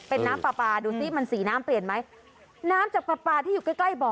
เป็นน้ำปลาปลาดูสิมันสีน้ำเปลี่ยนไหมน้ำจากปลาปลาที่อยู่ใกล้ใกล้บ่อ